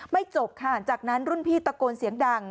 จบค่ะจากนั้นรุ่นพี่ตะโกนเสียงดัง